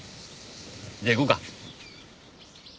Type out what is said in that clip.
じゃあ行こうか。